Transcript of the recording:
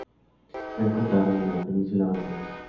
Fue encontrado en la península Balcánica.